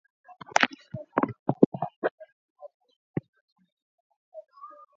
Yule msichana alinyanyua sura na kutazama kule ilikoegeshwa gari ya Jacob